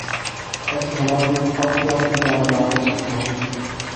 ایسی حالت میں ایک فرد کیا کردار ادا کر سکتا ہے؟